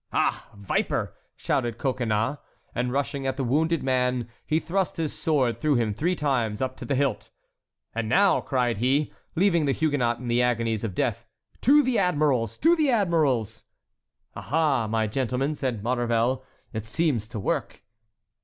"Ah, viper!" shouted Coconnas; and rushing at the wounded man, he thrust his sword through him three times up to the hilt. "And now," cried he, leaving the Huguenot in the agonies of death, "to the admiral's!—to the admiral's!" "Aha! my gentlemen," said Maurevel, "it seems to work."